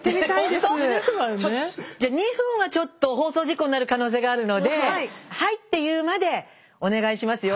先ほどねＶＴＲにあったじゃ２分はちょっと放送事故になる可能性があるので「はい」って言うまでお願いしますよ。